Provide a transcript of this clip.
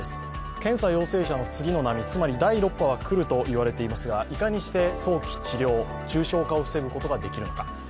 検査陽性者の次の波、つまり第６波が来るといわれていますがいかにして早期治療、重症化を防ぐことができるのか。